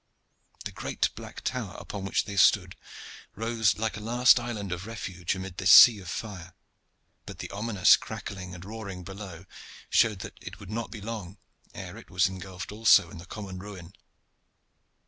The great black tower upon which they stood rose like a last island of refuge amid this sea of fire but the ominous crackling and roaring below showed that it would not be long ere it was engulfed also in the common ruin.